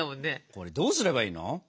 これどうすればいいの？